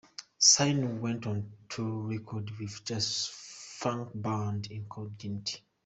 Saleem went on to record with the jazz-funk band, Incognito.